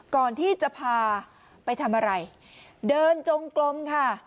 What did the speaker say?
ก่อนที่จะพาไปทำอะไรเดินจงกลมค่ะ